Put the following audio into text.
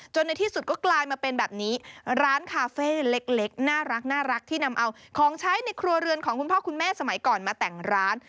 ในที่สุดก็กลายมาเป็นแบบนี้ร้านคาเฟ่เล็กน่ารักที่นำเอาของใช้ในครัวเรือนของคุณพ่อคุณแม่สมัยก่อนมาแต่งร้าน